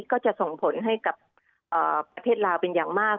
ก็จะส่งผลให้กับประเทศลาวเป็นอย่างมาก